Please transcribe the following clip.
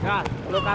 cepatnya lo sekali